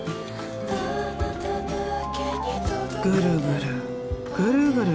ぐるぐるぐるぐる。